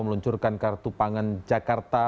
meluncurkan kartu pangan jakarta